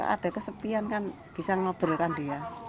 ada kesepian kan bisa ngobrolkan dia